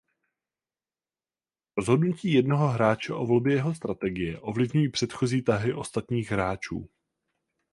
Rozhodnutí jednoho hráče o volbě jeho strategie ovlivňují předchozí tahy ostatních hráčů.